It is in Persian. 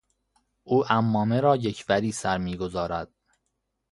او عمامه را یک وری سر میگذارد.